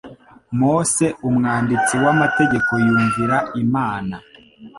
Mose umwanditsi w'amategeko yumvira Imana